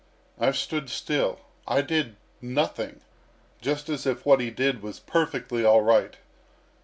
I stood still; I did nothing, just as if what he did was perfectly all right.